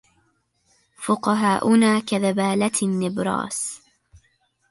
فقهاؤنا كذبالة النبراس